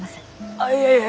あいえいえ